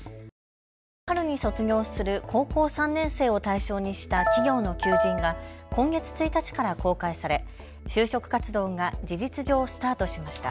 来年春に卒業する高校３年生を対象にした企業の求人が今月１日から公開され就職活動が事実上、スタートしました。